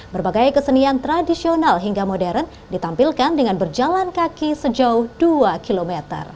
berbagai kesenian tradisional hingga modern ditampilkan dengan berjalan kaki sejauh dua km